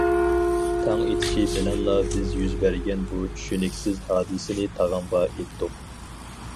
تاڭ ئېتىشى بىلەنلا بىز يۈز بەرگەن بۇ چۈشىنىكسىز ھادىسىنى تاغامغا ئېيتتۇق.